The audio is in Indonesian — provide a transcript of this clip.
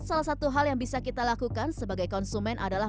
salah satu hal yang bisa kita lakukan sebagai konsumen adalah